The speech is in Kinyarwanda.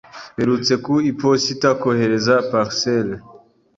Mperutse ku iposita kohereza parcelle.